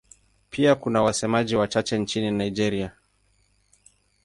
Pia kuna wasemaji wachache nchini Nigeria.